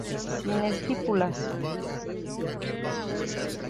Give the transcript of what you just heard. Sin estípulas.